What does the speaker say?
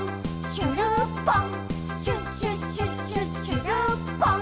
しゅるっぽん！」